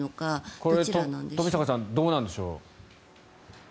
これは冨坂さんどうなんでしょう。